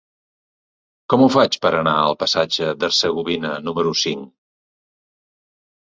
Com ho faig per anar al passatge d'Hercegovina número cinc?